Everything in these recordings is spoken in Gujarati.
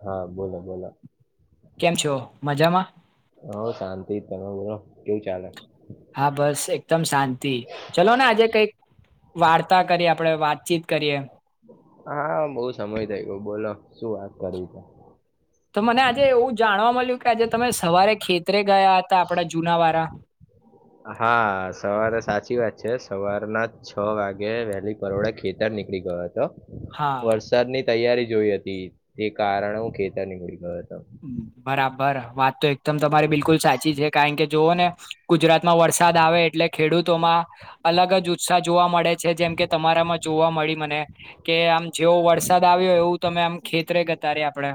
હા બોલો બોલો કેમ છો મજામાં હ શાંતિ તમે બોલો કેવું ચાલે હા બસ એકદમ શાંતિ ચલો ને આજે કઈક વાર્તા કરી આપણેે વાતચીત કરીએ હા બોવ સમય થઈ ગયો બોલો શું વાત કરવી છે. તો મને આજે એવું જાણવા મળ્યું કે આજે તમે સવારે ખેતી ત્રે ગયા હતા આપડા જુના વારા જે સવારના છ વાગે વહેલી પરોળે ખેતર નીકળી ગયા તો હા વરસાદ ની તૈયારી જોઈ હતી તે કારણે હું ખેત નીકળી ગયો. બરાબ બરા વાતો એક દમ તમારી બિલકુલ સાચી છે કારણ કે જોવો ને ગુજરાત માં વરસાદ આવે એટલે ખેડૂતોમાં અલગ જ ઉત્સાહ જોવા મળે. જેમ કે તમારામાં જોવા મળી મને કે આમ જેવો વરસાદ આવ્યો એવું તમે આમ ખેતરે ગતાર્યા આપડે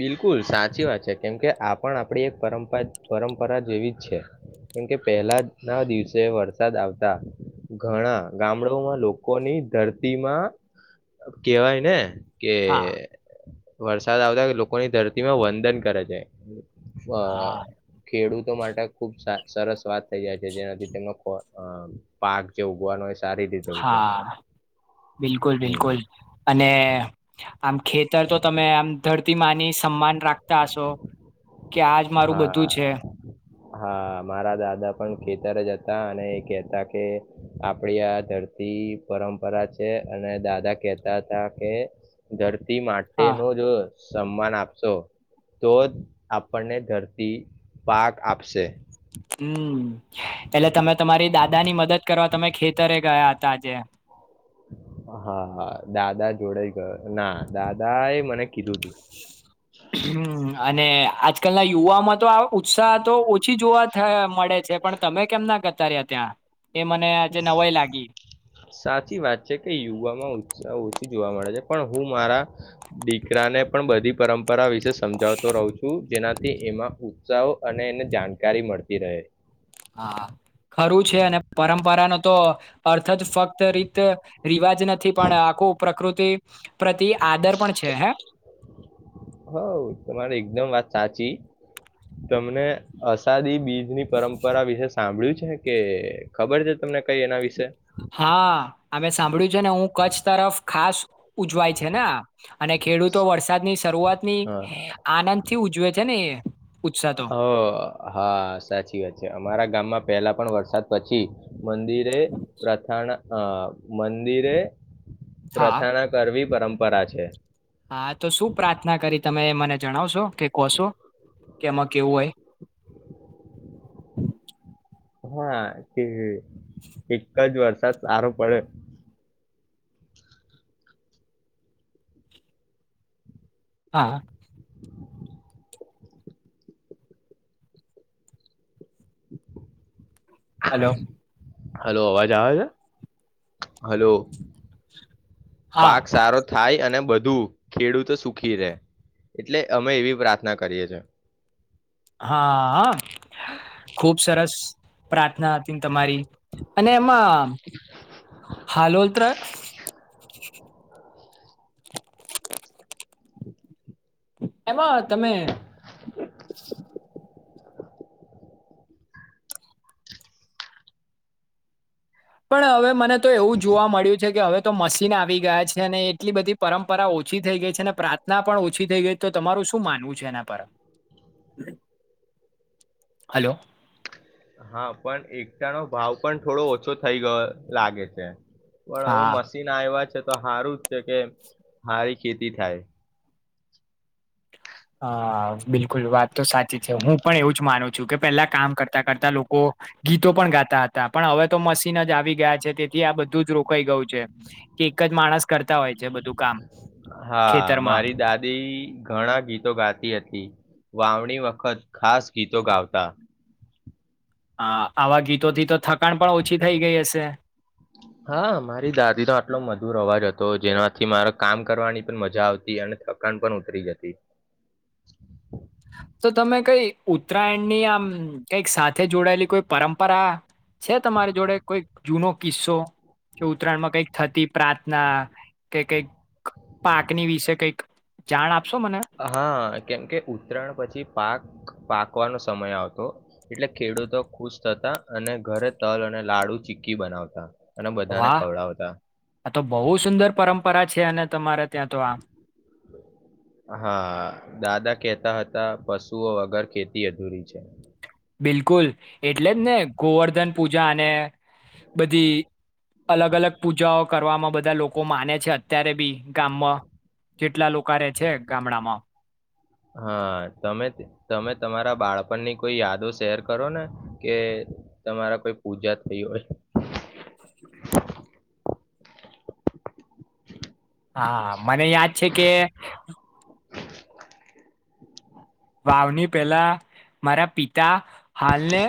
બિલકુલ સાચી વાત છે કેમ કે આ પણ આપણી એક પરંપરા પરંપરા જેવી જ છે કેમ કે પહેલા ના દિવસે વરસાદ આવતા ઘણા ગામડો માં લોકોની ધરતીમાં કેહેવાય ને કે હા વરસાદ આવતા લોકો લોકોની ધરતીમાં વંદન કરે છે. અ હા ખેડૂત માટે ખુબ સરસ વાત થઈ જાય છે જેનાથી તેમનો ખ અ પાક જે ઉગવાનો હોય હા બિલકુલ હમ બિલકુલ અને આમ ખેતર તો તમે આમ પ્રતિમાની સમાન રાખતા હશો. કે આજ મારું બધું હા છે. હા મારા દાદા પણ ખેતર જ હતા અને એ કેહેતા કે આપડી આ ધરતી પરંપરા છે અને દાદા કેહેતા હતા કે ધરતી તી માટે હા નો જ સન્માન આપશો તો જ આપણને ધરતી પાક આપશે. હમ એટલે તમે તમારી દાદા ની મદદ કરવા તમે ખેતરે ગયા હતા આજે હા હા દાદા જોડે ગયો ના દાદા એ મને કીધુ તું. હમ અને આજકાલના યુવામાં તો આ ઉત્સાહ તો ઓછી જોવા મળે છે પણ તમે કેમ ના ગતા રહ્યા ત્યાં. એ મને આજે નવાઈ લાગી સાચી વાત છે કે યુવામાં ઉત્સાહ ઓછી જોવા મળે છે. પણ હું મારા દીકરા ને પણ બધી પરંપરા વિ વિશે સમજાવતો રહું છું. જેનાથી એમાં ઉત્સાહો અને એને જાણકારી મળતી રહે. હા ખરું છે અને પરંપરા ન તો અર્થ જ ફક્ત રીત રિવાજ નથી પણ આખું પ્રકૃતિ પ્રતિ આદર પણ છે હે હ તમારે એકદમ વાત સાચી. તમને અસાદી બીજની પરંપરા વિશેષ સાંભળ્યું છે કે ખબર છે તમને કઈ એના વિશે? હા અમે સાંભળ્યું છે ને હું કચ્છ તરફ ખાસ ઉજવાય છે ને આ અને ખેડૂતો વરસાદ ની શરૂઆત ની આનંદ થી ઉજવે છે ને એ. ઉત્સાહ તો હ હા સાચી વાત છે અમારા ગામમાં પેલા પણ વરસાદ પછી મંદિરે પ્રથના હ મંદિરે હા પ્રથાના કરવી. પરંમપરા છે. હા તો શું પ્રાર્થના કરી? તમે મને જણાવશો કે કહશો કે એમાં કેવું હોય? હા કે એક જ વરસાદ સારો પડે હા. હેલો. હાલો અવાજ આવેસે. હાલો હા પાક સારો થાય અને બ ધુ ખેડૂતો સુખી રેય એટલે અમે એવી પ્રાર્થના કરીએ છે. હા હ ખુબ સરસ પ્રાર્થના હતી તમારી. અને એમાં હાલોલત્ર એમાં તમે પણ હવે મને તો એવું જોવા મળ્યું છે કે હવે તો મશીન આવી ગયા છે અને એટલી બધી પરંપરા ઓછી થઈ ગઈ છે અને પ્રાર્થના પણ ઓછી થઈ ગઈ તો તમારું શું માનવું છે એના પર? હાલો હા પણ એકતાનો ભાવ પણ થોડો ઓછો થઈ ગયો લાગે છે. પણ અવે હા મશીન આવ્યા છે. તો હારું સે કે હારી ખેતી થાય. હા બિલકુલ વાત તો સાચી છે હું પણ એવું જ માનું છું કે પેલા કામ કરતા કરતા લોકો ગીતો પણ ગાતા હતા પણ હવે તો મશીન જ આવી ગયા છે તેથી આ બધું જ રોકાઈ ગયું છે, કે એક જ માણસ કરતા હોય છે બધું કામ હા ખેતરમાં મારી દાદી ઘણા ગીતો ગા તી હતી, વાવણી વખત ખાસ ગીતો ગાવતા. હ આવા ગીતોથી તો થકાણ પણ ઓછી થઈ ગઈ હશે. હા મારી દાદી નો આટલો મધુર અવાજ હતો જેનાથી મારે કામ કરવાની પણ મજા આવતી અને થકન પણ ઉતરી જતી. તો તમે કઈ ઉ ઉત્તરાયણ ની આમ કઈક સાત્રા સાથે જોડાયેલી કોઈ પરંપરા છે તમારી જોડે કોઈ જૂનો કિસ્સો, કે ઉત્તરાયણ માં કઈક થતી પ્રાર્થના, કે કઈક પાકની વિશે કઈક જાણ આપ હા કેમ કે ઉત્તરાયણ પછી પાક પાકવાનો સમય આવતો, એટલે ખેડૂતો ખુશ થતા અને ઘરે તલ અને લાડુ ચીકી બનાવતા. અને બધાને વાહ, ખવડાવતા આ તો બો સુંદર પરંમ પરા છે અને તમારે. ત્યાં તો આ હા દાદા કેતા હતા તા પશુઓ વગર ખેતી અધૂરી છે. બિલકુલ, એટલે જ ને ગોવર્ધન પૂજા અને બધી અલગ અલગ પૂજાઓ કરવામાં બધા લોકો માને છે અત્યારે બી ગામમાં, કેટલા લોકો રે છે ગામડામાં. હા તમે તમે તમારા બાળપણની કોઈ યાદો શેર કરો ને, કે તમારા કોઈ પૂજા થઈ હોય. હા મને યાદ છે કે વાવની પેલા, મારા પિતા હાલને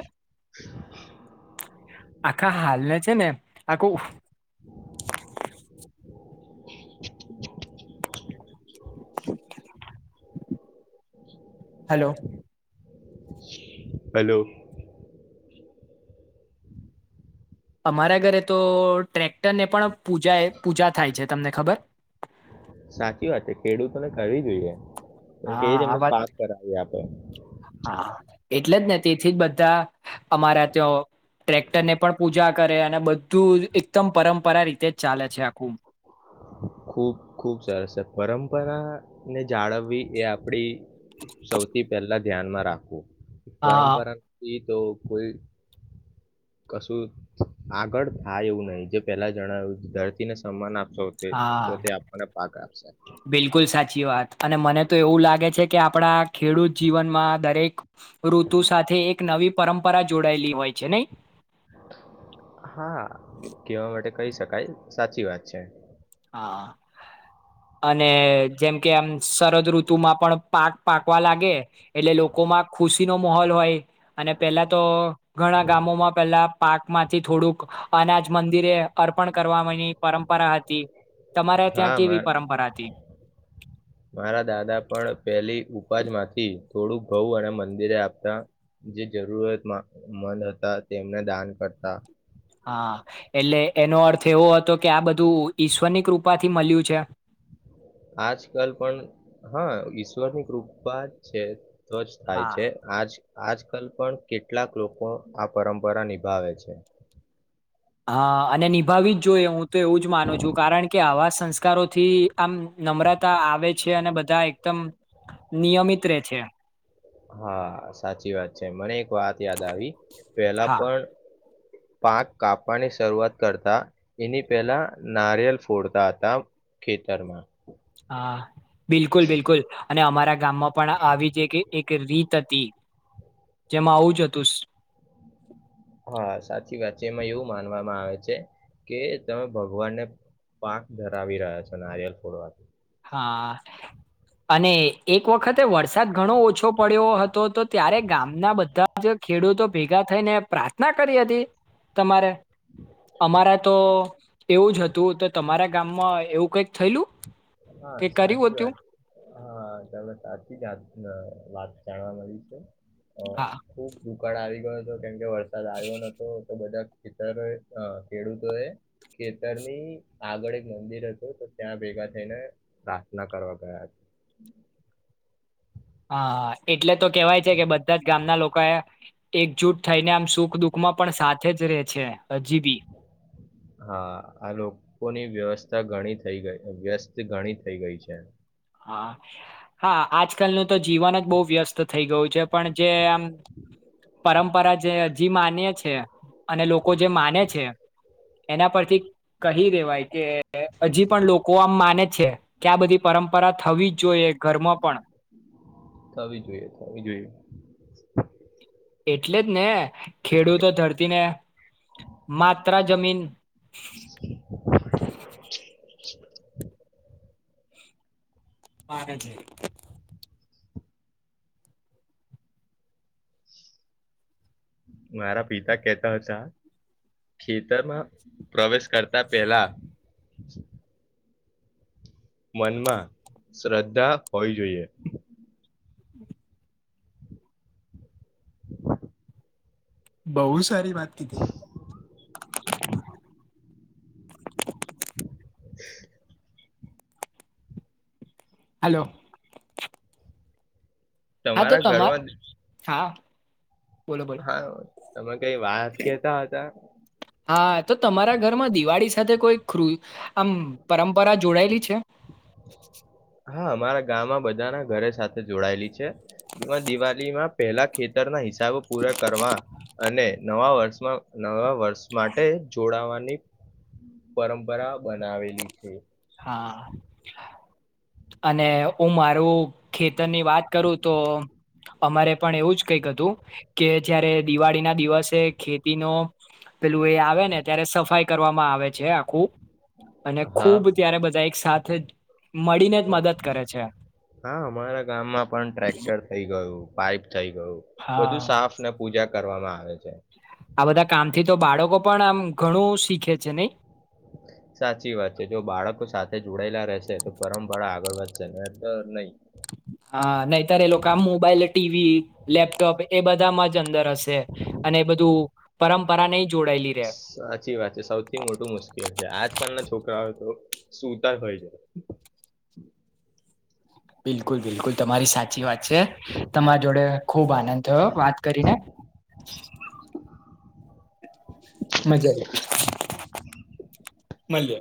[inaudible] આખા હાલ છે ને આખૂ [inaudible] [inaudible] હલો. હલો. અમારા ઘરે તો ટ્રેક્ટરને પણ પૂજા પૂજા થાય છે તમને ખબર. સાચી વાત છે ખેડૂતોને કરવી જોઈએ, એમ કે હા આ એમને વાત પાક કરાવી આપ તા. હા એટલે જ ને તેથી જ બધા અમારા ત્યા ટ્રેક્ટર ને પણ પૂજા કરે અને બધું એકદમ પરંપરા રીતે જ ચાલે છે આખું. ખુબ ખુબ સર સર પરંપરા ને જાળવવી એ આપડી સૌથી પહેલા ધ્યાનમાં રાખવું. હા પરંપરા રી તો કોઈ કશું આગળ થાય એવું નહી જે પહેલા જણાવ્યું ધરતીને સન્માન આપે તે હા તો તે આપણને પાક આપશે. બિલકુલ સાચી વાત અને મને તો એવું લાગે છે કે આપણા ખેડૂત જીવનમાં દરેક ઋતુ સાથે એક એક નવી પરંપરા જોડાયેલી હોય છે નહી હા કેવા માટે કહી શકાય સાચી વાત છે હા અને જેમ કે આમ સરરદ ઋતુમાં પણ પાક પાકવા લાગે એટલે લોકોમાં ખુશીનો માહોલ હોય અને પેલા તો ઘણા ગામોમાં પેલા પાક માંથી થોડુંક અનાજ મંદિરે અર્પણ કરવાની પરંપરા હતી તમારે ત્યાં હા કેવી પરંપરા હતી મારા દાદા પણ પેલી અવાજ માંથી થોડુંક ઘઉ અને મંદિરે આપતા જે જરૂરત મંદ હતા તેમને દાન કરતા હા એટલે એનો અર્થ એવો હતો કે આ બધું ઈશ્વરની કૃપાથી મળ્યું છે આજકાલ પણ હા ઈશ્વરની કૃપા જ છે તો જ થાય હા છે આજ આજકાલ પણ કેટલાક લોકો આ પરંપરા નિભાવે છે હા અને નિભાવી જ જોઈએ હું તો એવું જ માનું છું કારણ કે આવા સંસ્કારોથી આમ નમ્રતા આવે છે. છે અને બધા એકદમ નિયમિત રે છે. હા સાચી વાત છે મને એક વાત યાદ આવી પેલા હા પણ પાક કાપવાની શરૂઆત કરતા એની પહેલા નારિયેલ ફોડતા હતા ખેતરમાં હા બિલકુલ બિલકુલ અને અમારા ગામમાં પણ આવી જે કે એક રીત હતી જેમાં આવું જ હતું. હા સાચી વાત છે એમાં એવું માનવામાં આવે છે કે તમે ભગવાનને પાક ધરાવી રહ્યા છો નારિયલ ફોડવાથી હા અને એક વખતે વરસાદ ઘણો ઓછો પડ્યો હતો તો ત્યારે ગામના બધા જ ખેડૂતો ભેગા થઈને પ્રાર્થના કરી હતી તમારે અમારા તો એવું જ હતું તો તમારા ગામમાં એવું કંઈક થયલું હા સાચી વાત હા તમે સાચી [inaudible] વાત જાણવા મળ્યું છે. હ હા ખુબ દુકાળ આવી ગયો હતો કેમ કે વરસાદ આવ્યો નતો તો બધા ખેતરો અ ખેડૂતો એ ખેતરની આગળ એક મંદિર હતું તો ત્યાં ભેગા થઈને પ્રાર્થના કરવા ગયા હા એટલે તો કેવાય છે કે બધા જ ગામના લોકો એ એકજૂટ થઈને આમ સુખ દુઃખમાં પણ સાથે જ રે છે. હજી બી હા આ લોકોની વ્યવસ થા ઘણી થઈ ગઈ વ્યસ્ત ઘણી થઈ ગઈ છે. હા હા આજકાલનું તો જીવન જ બો વ્યસ્ત થઈ ગયું છે. પણ જે આમ પરંપરા જે હજી માનીએ છે. અને લો કો જે માને છે. એના પરથી કહી દેવાય કે હજી પણ લોકો આમ માને છે કે આ બધી પરમ પરા થવી જોઈએ ઘરમાં પણ થવી જોઈએ થવી જોઈએ એટલે જ ને ખેડૂતો ધરતીને માત્ર જમીન [inaudible] હારે છે. મારા પિતા કેહેતા હતા ખેતરમાં પ્રવેશ કરતા પેલા મનમાં શ્રદ્ધા હોવી જોઈએ બઉ જ સારી વાત કીધ [inaudible] હાલો હા તો તમારા તમારે ઘરમાં હા બોલો બોલો હા તમા કઈ વાત કેતા હતા હા તો તમારા ઘરમાં દિવાળી સાથે કોઈ આમ પરંપરા જોડાયેલી છે. હા અમારા ગામમાં બધા ના ઘરે સાથે જોડાયેલી છે. જેમાં દિવાલીમાં પહેલા ખેતરના હિસ સાઓ પૂરા કરવા અને નવા વર્ષમાં નવા વર્ષ માટે જોડાવાની પરંપરા બનાવેલી છે. હા અને હું મારું ખેતરની વાત કરું તો અમારે પણ એવું જ કઈક હતું કે જયારે દિવાળી ના દિવસે ખેતી નો પેલું એ આવે ને ત્યારે સફાઈ કરવામાં આવે છે. ખૂ અને હા ખુબ એક સાથે જ મળીને મદદ કરે છે. હા અમારા ગામમાં પણ ટ્રેક્ટર થઈ ગયું. પાઇપ થઈ ગયું બધું હા. સાફને પૂજા કરવામાં આવે છે. આ બધા કામથી તો બાળકો પણ આમ ઘણું શીખે છે નહી. સાચી વાત છે જો બાળકો સાથે જોડાયેલા રહેશે તો પરંપરા આગળ વધશે ને અ નહી. હા નહીતર એ લોકો આમ મોબાઈલ ટીવી લેપટોપ એ બધામાં જ અંદર હશે અને એ બધું પરંપરા નહી જોડાયેલી રે સાચી વાત છે સૌથી મોટું મુશ્કેલ છે આજકાલના છોકરાઓ તો સુતાય હોય છે. બિલકુલ બિલકુલ તમારી સાચી વાત છે તમારા જોડે ખુબ આનંદ થયો વાત કરીને. મજા આવી. [unintelligible] મલીયે.